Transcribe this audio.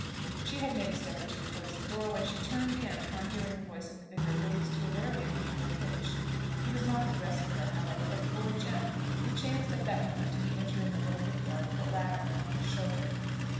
She had made a step or two towards the door, when she turned again upon hearing the voice of the vicar raised to a very unusual pitch. He was not addressing her, however, but the boy Jem, who chanced at that moment to be entering the little rickyard with a ladder upon his shoulder.